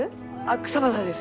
草花です。